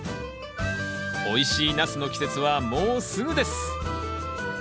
おいしいナスの季節はもうすぐです！